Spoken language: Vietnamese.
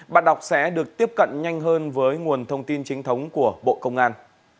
bạn đọc sẽ được tiếp cận nhanh hơn với nguồn thông tin chính thống của bộ công an